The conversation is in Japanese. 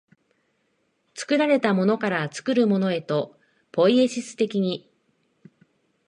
作られたものから作るものへと、ポイエシス的に、